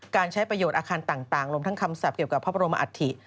การใช้ประโยชน์อาคารต่างรวมทั้งคำศัพท์เกี่ยวกับพระบรมอัฐิ